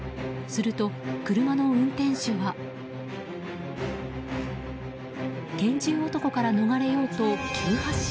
すると、車の運転手は拳銃男から逃れようと急発進。